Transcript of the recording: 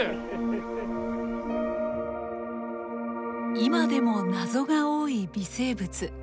今でも謎が多い微生物。